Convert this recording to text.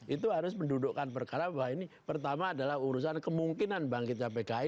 itu harus mendudukkan perkara bahwa ini pertama adalah urusan kemungkinan bangkitnya pki